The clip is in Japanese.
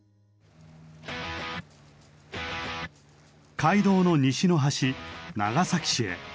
街道の西の端長崎市へ。